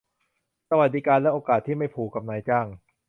สวัสดิการและโอกาสที่ไม่ผูกกับนายจ้าง